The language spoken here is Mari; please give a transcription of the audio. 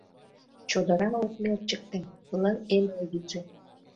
Чодыра ок мерчыкте — Лыҥ эмле вийже.